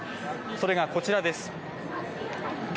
それがこちらです。